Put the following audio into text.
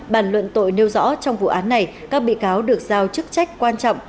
bản luận tội nêu rõ trong vụ án này các bị cáo được giao chức trách quan trọng